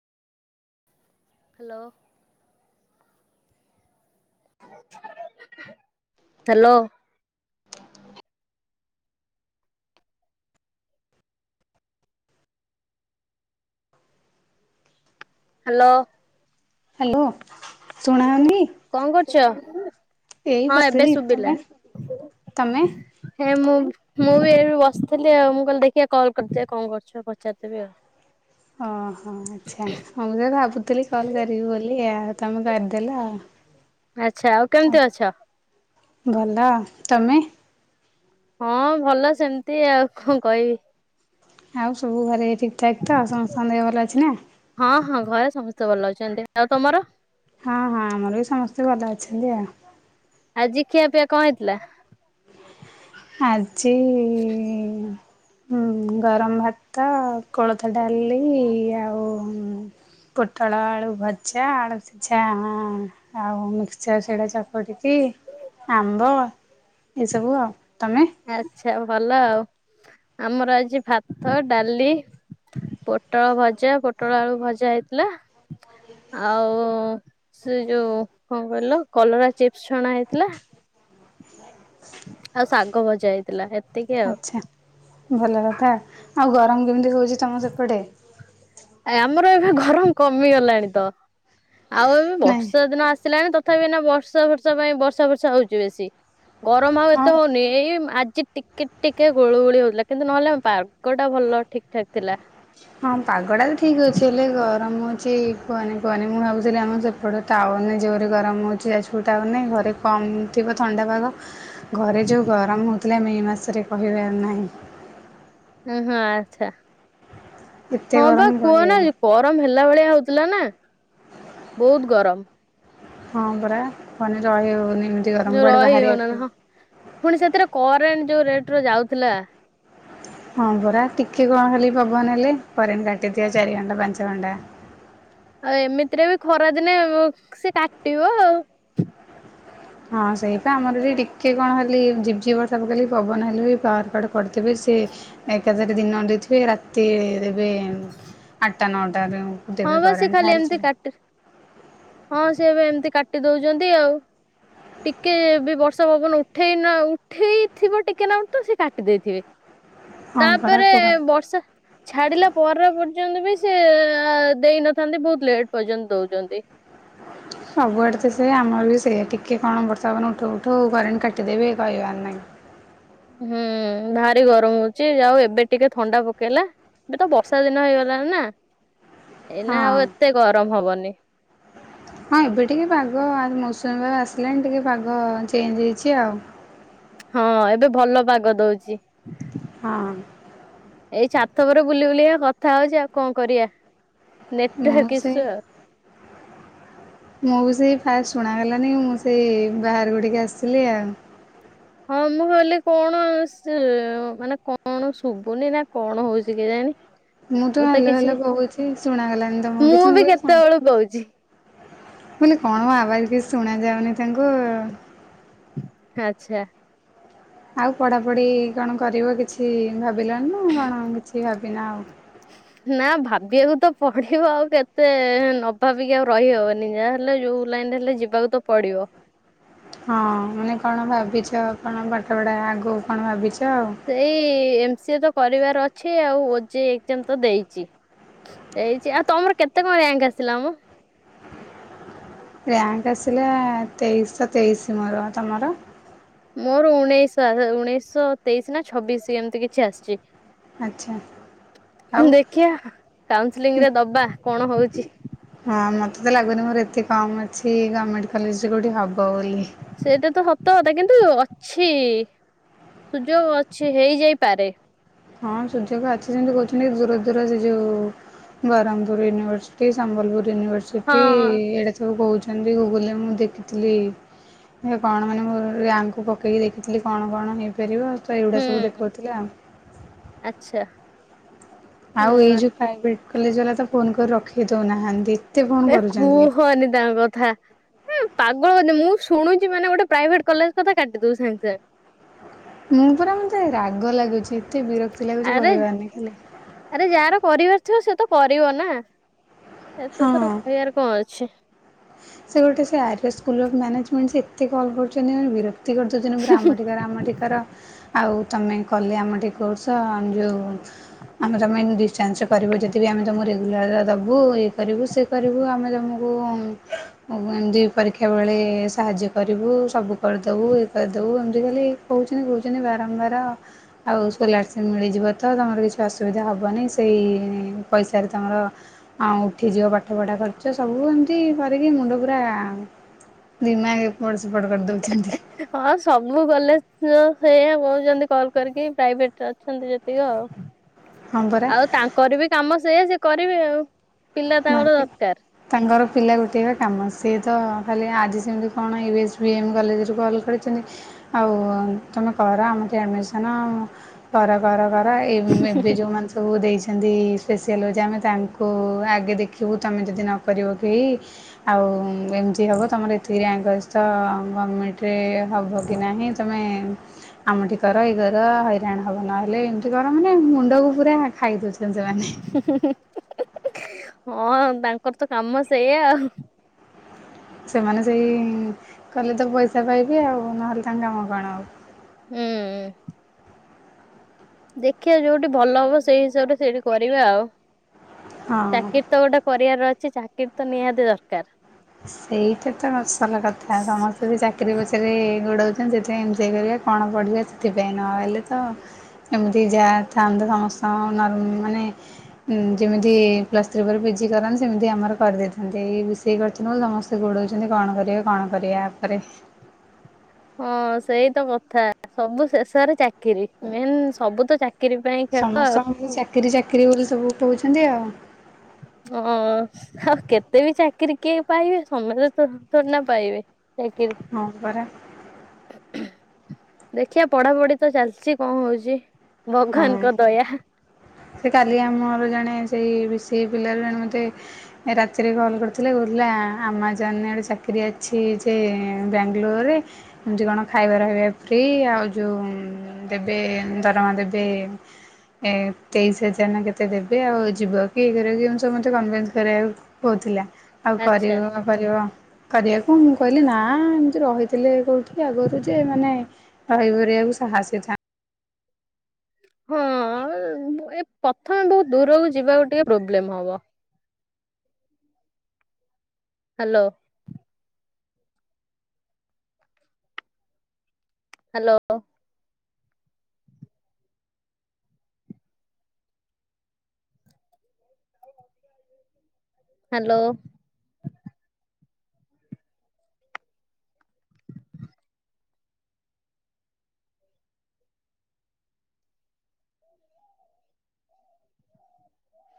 Hello. Hello. Hello. Hello ଶୁଣାଯାଉନି? କଁ କରୁଚ? ଏଇ ବସିଥିଲି। ତମେ ତମ? ହେଁ ମୁଁ ମୁଁ ବି ଏ ବସିଥିଲି ଆଉ। ମୁଁ କହିଲି ଦେଖିବା କଲ୍ କରିଦିଏ କଁ କରୁଚ। ପଚାରିଦେବେ ଆଉ। ଓହୋ ଆଚ୍ଛା, ହଁ ମୁଁ ତ ଭାବୁଥିଲି କଲ୍ କରିବି ବୋଲି ଆଉ ତମେ କରିଦେଲ ଆଉ। ଆଚ୍ଛା, ଆଉ କେମିତି ଅଛ? ଭଲ। ତମେ? ହଁ ଭଲ ସେମିତି ଆଉ କଁ କହିବି। ଆଉ ସବୁ ଘରେ ଠିକ୍ ଠାକ୍ ତ ସମସ୍ତଙ୍କ ଦେହ ଭଲ ଅଛି ନା? ହଁ ହଁ ଘରେ ସମସ୍ତେ ଭଲ ଅଛନ୍ତି। ଆଉ ତମର? ହଁ ହଁ ଆମର ବି ସମସ୍ତେ ଭଲ ଅଛନ୍ତି ଆଉ। ଆଜି ଖିଆପିଆ କଁ ହେଇଥିଲା? ଆଜି ହୁଁ ଗରମ ଭାତ କୋଳଥ ଡାଲି ଆଉ ପୋଟଳ ଆଳୁ ଭଜା ଆଳୁ ସିଜା ହଁ। ଆଉ ମିକ୍ସଚର୍ ସେଟା ଚକଟିକି ଆମ୍ବ ଏସବୁ ଆଉ। ତମେ? ଆଚ୍ଛା ଭଲ ଆଉ। ଆମର ଆଜି ଭାତ ଡାଲି ପୋଟଳ ଭଜା ପୋଟଳ ଆଳୁ ଭଜା ହେଇଥିଲା। ଆଉ ସେ ଯୋଉ କଣ କହିଲ କଲରା ଚିପ୍ସ୍ ଛଣା ହେଇଥିଲା। ଆଉ ଶାଗ ଭଜା ହେଇ ଥିଲା ହେତିକି। ଆଛା, ଭଲ କଥା ଆଉ ଗରମ କେମିତି ହଉଚି ତମ ସେପଟେ। ଆ ଆମର ଏବେ ଗରମ କମିଗଲାଣି ତ ଆଉ ଏବେ ନାଇଁ ବର୍ଷା ଦିନ ଆସିଲାଣି ତ- - ତଥାପି ନା ବର୍ଷା ଫର୍ଷାପାଇଁ ବର୍ଷା ବର୍ଷା ହଉଚି ବେଶୀ ଗରମ ଆଉ ହଁ ଏତେ ହଉନି ଏଇ ଆଜି ଟିକେ ଟିକେ ହୁଳୁହୁଳି ହଉଥିଲା କିନ୍ତୁ ନ ହେଲେ ପାଗ ଟା ଭଲ ଠିକ୍ ଠାକ୍ ଥିଲା। ହଁ ପାଗଟା ବି ଠିକ୍ ଅଛି ହେଲେ ଗରମ ଅଛି। କୁହନି କୁହନି ମୁଁ ଭାବୁିଚି ଆମ ସେପଟ ଟାୱନ ନାହି। ଯେଉଁରି ଗରମ ହେଉଚି ଆଜପୁ ଟାୱନ ନାହିଁ ଘରେ କମ୍ ଥିବ ଥଣ୍ଡା ପାଗ। ଘରେ ଯୋଉ ଗରମ ହଉଥିଲା ମେ ମାସରେ କହିବାର ନାହିଁ। ଉଁ ହୁ ହୋ ଆଚ୍ଛା। ଏତେ ହଁ ବା ଗରମ କୁହନା- କହିହେବନି - ଗରମ ହେଲା ଭଳିଆ ହଉଥିଲା ନା। ବହୁତ ଗରମ। ହଁ ପରା ରହି ହଉନି ଏମିତି ଗରମ କୁଆଡେ ରହି ହଉନା ବାହାରିବାକୁ। ହଁ ପୁଣି ସେଥିରେ କରେଣ୍ଟ ଯୋଉ ରେଟ୍ ରେ ଯାଉଥିଲା। ହଁ ପରା ଟିକେ କଂ ଖାଲି ପବନ ହେଲେ କରେଣ୍ଟ୍ କାଟିଥିବେ ଚାରିଘଣ୍ଟା ପାଞ୍ଚଘଣ୍ଟା। ଆଉ ଏମିତିରେ ବି ଖରା ଦିନେ ସେ କାଟିବ ଆଉ। ହଁ ସେଇବା ଆମର ଏଠି ଟିକେ କଣ ହେଲି ଝିପ୍ ଝିପ୍ ବର୍ଷା ପକେଇଲେ ପବନ ହେଲେ ବି ପାୱାର୍ କଟ୍ କରିଥିବେ ସେ ଏକାଥରେ ଦିନରେ ଦେଇଥିବେ ରାତିରେ ଦେବେ ଆଟା ନଅଟାରେ ଯଉ ହଁ ବା ସେ ଖାଲି ଏମତି କାଟେ। ହଁ ସେ ଏବେ ଏମିତି କାଟି ଦଉଚନ୍ତି ଆଉ। ଟିକେ ବି ବର୍ଷା ପବନ ଉଠେଇ ନ ଉଠେଇଥିବ ଟିକେ ନାଗୁରୁ ତ ସେ କାଟି ଦେଇଥିବେ। [unintelligible] ହଁ ତା ପରା ପେରେ କୁହନି ବର୍ଷା ଛାଡିଲା ପରେ ପର୍ଯ୍ୟନ୍ତ ବି ସେ ଦେଇନଥାନ୍ତି ବହୁତ ଲେଟ୍ ପର୍ଯ୍ୟନ୍ତ ଦଉଚନ୍ତି। ସବୁଆଡେ ତ ସେଇଆ ଆମର ବି ସେଇଆ ଟିକେ କଣ ବର୍ଷା ପବନ ଉଠଉ ଉଠଉ କରେଣ୍ଟ କାଟିଦେବେ କହିବାର ନାହିଁ। ହୁଁ ଭାରି ଗରମ ହଉଚି ଆଉ ଏବେ ଟିକେ ଥଣ୍ଡା ପକେଇଲା। ଏବେ ତ ବର୍ଷା ଦିନ ହେଇଗଲାଣି ନା ଏଇନା ହଁ ଆଉ ଏତେ ଗରମ ହବନି। ହଁ ଏବେ ଟିକେ ପାଗ ଆ ମୌସୁମୀ ପାଗ ଆସିଲାଣି ଟିକେ ପାଗ ଚେଞ୍ଜ ହେଇଛି ଆଉ। ହଁ ଏବେ ଭଲ ପାଗ ଦଉଚି। ହଁ। ଏଇ ଛାତ ଉପରେ ବୁଲି ବୁଲିକା କଥା ହଉଛି ଆଉ କଣ କରିବା ମୁଁ ନେଟୱାର୍କ ସେଇ ଇସୁ ଆ ମୁଁ ବି ସେଇ ଫାଷ ଶୁଣାଗଲାନି ମୁଁ ସେଇ ବାହାରକୁ ଟିକେ ଆସିଲି ଆଉ। ହଁ ମୁଁ ଭାବିଲି କଣ ସେ ମାନେ କଣ ଶୁଭୁନି ନା କଣ ହଉଛି କେଜାଣି। ମୁଁ ତ ହାଲୋ ହାଲୋ କହୁଛି ଶୁଣାଗଲାନି ତମକୁ କିଛି ବି ମୁଁ କହିଲି କ କେତେବେଳୁ କହୁଛି ମୁଁ କହିଲି କଣ ଆବାଜ କିଛି ଶୁଣାଯାଉନି ତାଙ୍କୁ। ଆଚ୍ଛା। ଆଉ ପଢାପଢି କଣ କରିବ କିଛି ଭାବିଲଣି ନା କଣ କିଛି ଭାବିନ ଆଉ? [unintelligible] ନା ଭାବିବାକୁ ତ ପଡିବ ଆଉ କେତେ ନ ଭାବିକି ଆଉ ରହିହବନି ଯାହା ହେଲେ ଯୋଉ ଲାଇନ ରେ ହେଲେ ଯି ବାକୁ ତ ପଡିବ। ହଁ। ମାନେ କଣ ଭାବିଚ କଣ ପାଠ ପଢ଼ା ଆଗକୁ କଣ ଭାବିଚ ଆଉ? ସେଇ ଏମ ସି ଏ ତ କରିବାର ଅଛି ଆଉ ଓ ଜେ ଇ ଏକ୍ଜାମ୍ ତ ଦେଇଛି। ଦେଇଚି। ଆଉ ତମର କେତେ କଣ ରାଙ୍କ ଆସିଲା ମ? ରାଙ୍କ ଆସିଲା ତେଇଶହ ତେଇଶି ମୋର ତମର। ମୋର ଉଣେଇଶ ଉଣେଇଶ ତେଇଶି ନା ଛବିଶି ଏମିତି କିଛି ଆସିଚି। ଆଚ୍ଛା ଆଉ ଉଁ ଦେଖିବା କାଉନସିଲିଙ୍ଗରେ ଦବା କଣ ହଉଚି। ହଁ ମତେ ତ ଲାଗୁନି ମୋର ଏତେ କମ ଅଛି ଗମେଣ୍ଟ କଲେଜରେ କୋଉଠି ହବ ବୋଲି। ସେଇଟା ତ ସତ କଥା କିନ୍ତୁ ଅଛି ସୁଯୋଗ ଅଛି ହେଇଯାଇପାରେ। ହଁ ସୁଯୋଗ ଅଛି ଯେମିତି କହୁଛନ୍ତି ଦୂର ଦୂର ସେ ଯୋଉ Berhampur university Sambalpur university ହଁ ଏଇଟା ସବୁ କହୁଛନ୍ତି ଗୁଗୁଲରେ ମୁଁ ଦେଖିଥିଲି। ଏ କଣ ମାନେ ମୁଁ ରାଙ୍କକୁ ପକେଇକି ଦେଖିଥିଲି କଣ କଣ ହେଇପାରିବ ତ ଏଇଗୁଡା ହୁଁ ସବୁ ଦେଖଉଥିଲା। ଆଚ୍ଛା। ଆଉ ଏଇ ହୁଁ ଯୋଉ ପ୍ରାଇଭେଟ କଲେଜ ବାଲା ତ ଫୋନ କରି ରଖେଇ ଦଉନାହାନ୍ତି। ଫୋନ ଏ କରୁଛନ୍ତି। କୁହନି ତାଙ୍କ କଥା। ଏ ପାଗଳ [unintelligible] ମୁଁ ଶୁଣୁଛି ମାନେ ଗୋଟେ ପ୍ରାଇଭେଟ କଲେଜ କଥା କାଟିଦଉଛି ସାଙ୍ଗ ସାଙ୍ଗ। ମୁଁ ପରା ମତେ ରାଗ ଲାଗୁଛି ଏତେ ବିରକ୍ତି ଲାଗୁଛି ଆରେ କହିବାର ନାହିଁ ଖାଲି। ଆରେ ଯାହାର କରିବାର ଥିବ ସେ ତ କରିବ ନା। ଏତେଥର ହଁ କହିବାର କଣ ଅଛି। ସେ ଗୋଟେ ସେ R S school of management ସେ ଏତେ କଲ କରୁଛନ୍ତି ମାନେ ବିର ତି କରିଦଉଛନ୍ତି ପୁରା ଆମଠି କର ଆମଠି କର। ଆଉ ତମେ କଲେ ଆମଠି କୋର୍ସ ଯୋଉ। ଆମେ ତମେ [unintelligible] ଡିଷ୍ଟାନ୍ସରେ କରିବ ଯଦି ବି ଆମେ ତମକୁ ରେଗୁଲାର ଦବୁ ଇଏ କରିବୁ ସି କରିବୁ ଆମେ ତମକୁ ଉଁ। ଉଁ ଏମିତି ପରୀକ୍ଷା ବେଳେ ସାହାଯ୍ୟ କରିବୁ ସବୁ କରିଦବୁ ଇଏ କରିଦବୁ ଏମିତି ଖାଲି। କହୁଛନ୍ତି କହୁଛନ୍ତି ବାରମ୍ବାର। ଆଉ ସ୍କୋଲାରସିପ୍ ମିଳିଯିବ ତ ତମର କିଛି ଅସୁବିଧା ହବନି ସେଇ ପଇସାରେ ତମର। ଆଉ ଉଠି ଯିବ ପାଠ ପଢା ଖର୍ଚ୍ଚ ସବୁ ଏମିତି କରିକି ମୁଣ୍ଡ। ପୁରା ଦିମାଗ ଏପଟ ସେପଟ କରିଦଉଛନ୍ତି। ହଁ ସବୁ କଲେଜ [unintelligible] ସେଇଆ କହୁଛନ୍ତି କଲ କରିକି ପ୍ରାଇଭେଟରେ ଅଛନ୍ତି ଯେତିକ। ହଁ ପରା ଆଉ ତାଙ୍କର ବି କାମ ସେଇଆ ସିଏ କରିବେ ଆଉ। ପିଲା ତାଙ୍କର ମାର୍କେ ଦରକାର ତାଙ୍କର ପିଲା ଗୋଟେଇବା କାମ ସିଏ ତ ଖାଲି ଆଜି ସେମିତି କଣ ୟୁ ଏସ୍ ବି ଏମ୍ କଲେଜରୁ କଲ। କରିଛନ୍ତି। ଆଉ ତମେ କର ଆମଠି ଆଡ଼ମିଶନ କର କର କର ଏମ ଏବେ ଯେଉଁମାନେ ସବୁ ଦେଇଛନ୍ତି ସ୍ପେସିଆଲ୍ ହୋଉଛି ଆମେ ତାଙ୍କୁ ଆ ଆଗେ ଦେଖିବୁ ତମେ ଯଦି ନ କରିବ କେହି ଆଉ ଏମିତି ହେବ ତମର ଏତିକି ରାଙ୍କ ଅଛି ତ ଗଭର୍ଣ୍ଣମେଣ୍ଟରେ ହବ କି ନାହିଁ ତମେ ଆମଠି କର ଏଇ କର ହଇରାଣ ହବ ନହେଲେ ଏମ୍ ସେ କର ମାନେ ମୁଣ୍ଡକୁ ପୁରା ଖାଇ ଦଉଛନ୍ତି ସେମାନେ। [unintelligible] ହଁ ତାଙ୍କର ତ କାମ ସେଇଆ ଆଉ। ସେମାନେ ସେଇ କଲେ ତ ପଇସା ପାଇବେ ଆଉ ନହେଲେ ତାଙ୍କ କାମ କଣ ଆଉ। ହୁଁ। ଦେଖିବା ଯୋଉଠି ଭଲ ହବ ସେଇ ହିସାବରେ ସେଇଠି କରିବା ଆଉ। ହଁ ଚାକିର ତ ଗୋଟେ କରିବାର ଅଛି ଚାକିର ତ ନିହାତି ଦରକାର। ସେଇଟା ତ ଅସଲ କଥା ସମସ୍ତେ ବି ଚାକିରି ପଛରେ ଗୋଡାଉଛନ୍ତି ସେଥିପାଇଁ ଏନ୍ଞ୍ଜୟ କରିବା। କଣ ପଢିବା ସେଥିପାଇଁ ନହେଲେ ତ ଏମିତି ଯାଆ ଥାଆନ୍ତୁ ସମସ୍ତଙ୍କ ନର ମାନେ ଉଁ ଯେମିତି ପ୍ଲସ୍ ଥ୍ରୀ ପରେ ପିଜି କରନ୍ତି ସେମିତି ଆମର କରିଦେଇଥାନ୍ତେ ଏଇ ବି ସି ଏ କରି ଏଥିଯୋଗୁ ସମସ୍ତେ ଗୋଡଉଛନ୍ତି କଣ କରିବେ କଣ କରିବେ ଆ ପରେ। ହଁ ସେଇତ କଥା ସବୁ ଶେଷରେ ଚାକିରି ମେନ୍ ସବୁ ତ ଚାକି ସମସ୍ତଙ୍କୁ ଚାକିରି ଚାକିରି ବୋଲି ସବୁ କହୁଛନ୍ତି ଆଉ। ହଁ। ଆଉ କେତେ ବି ଚାକିରି କିଏ ପାଇବେ ସମସ୍ତେ ତ ଥୋଡ଼ିନା ପାଇବେ ଚାକିରି। ହଁ ପରା। ଦେଖିବା ପଢାପଢି ତ ଚାଲିଛି କଣ ହଉଛି। ହଁ ଭଗବାନଙ୍କ ଦୟା। ସେ କାଲି ଆମର ଜଣେ ସେଇ ବି ସି ଏ ପିଲାରୁ ଜଣେ ମତେ ରାତିରେ କଲ୍ କରିଥିଲେ କହୁଥିଲା ଆମାଜନରେ ଗୋଟେ ଚାକିରି ଅଛି ଯେ ବାଙ୍ଗାଲୋରରେ। ଏମତି କଣ ଖାଇବ ରହିବା ଫ୍ରି ଆଉ ଯୋଉ ଦେବେ ଦରମା ଦେବେ ଏ ତେଇଶ ହଜାର ନା କେତେ ଦେବେ ଆଉ ଯିବ କି ଇଏ କରିବ କି ସବୁ ମୋତେ କନଭେନ୍ସ କରିବାକୁ କହୁଥିଲା। ଆଉ ଆଚ୍ଛା କରିବ କରିବ କରିବାକୁ ମୁଁ କହିଲି ନା ଏମିତି ରହିଥିଲେ କେଉଁଠି ଆଗରୁ ଯେ ମାନେ [unintelligible] ବାକୁ ସାହସି ଥା। ହଁ ଏ ଏ ପ୍ରଥମେ ବହୁତ ଦୂରକୁ ଯିବାକୁ ଟିକେ ପ୍ରୋବ୍ଲେମ ହବ। ହ୍ୟାଲୋ। ହ୍ୟାଲୋ। ହ୍ୟାଲୋ।